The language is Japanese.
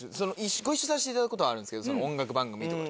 ご一緒させていただくことはあるんですけど音楽番組とかで。